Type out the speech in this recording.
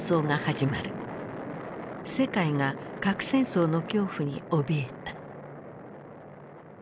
世界が核戦争の恐怖におびえた。